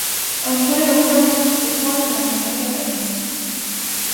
Ambayo hufanya mtu kupona na kuimarika kabisa